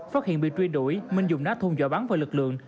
phát hiện bị truy đuổi minh dùng nát thùng dọa bắn vào lực lượng